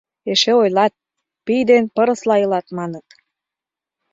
Эше ойлат: «Пий ден пырысла илат, — маныт.